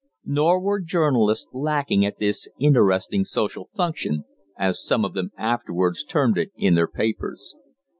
Nor were journalists lacking at this "interesting social function," as some of them afterwards termed it in their papers.